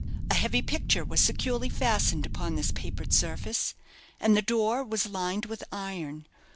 A heavy picture was securely fastened upon this papered surface, and the door was lined with iron.